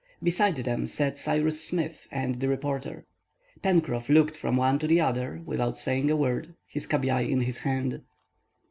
Beside them sat Cyrus Smith and the reporter. Pencroff looked from one to the other without saying a word, his cabiai in his hand.